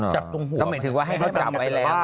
จับตรงหัวต้องเห็นถึงว่าให้เขาจับไว้แล้ว